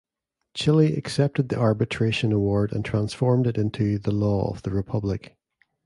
Chile accepted the arbitration award and transformed it into the law of the Republic.